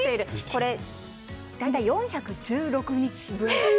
これ、大体４１６日分。